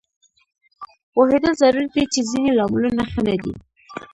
پوهېدل ضروري دي چې ځینې لاملونه ښه نه دي